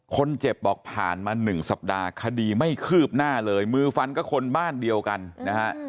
คนเจ็บบอกผ่านมา๑สัปดาห์คดีไม่คืบหน้าเลยมือฟันก็คนบ้านเดียวกันนะฮะ